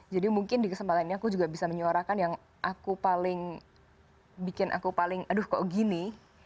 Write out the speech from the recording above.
jadi mungkin di kesempatan ini aku juga bisa menyuarakan yang aku paling bikin aku paling aduh kok gini